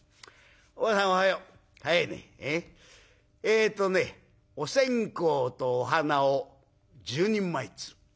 えっとねお線香とお花を１０人前ずつ。